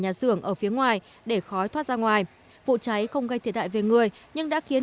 nhà xưởng ở phía ngoài để khói thoát ra ngoài vụ cháy không gây thiệt hại về người nhưng đã khiến